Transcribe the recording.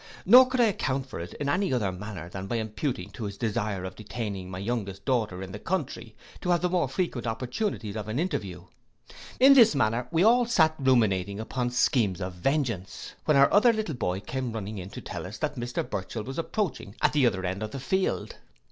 Nor could I account for it in any other manner than by imputing it to his desire of detaining my youngest daughter in the country, to have the more frequent opportunities of an interview. In this manner we all sate ruminating upon schemes of vengeance, when our other little boy came running in to tell us that Mr Burchell was approaching at the other end of the field.